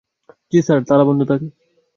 জ্বি স্যার, তালাবন্ধ থাকে।